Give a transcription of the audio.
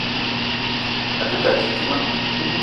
A te ke a titima.